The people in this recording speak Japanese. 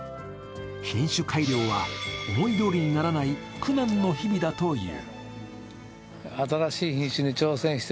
品種改良は思いどおりにならない苦難の日々だという。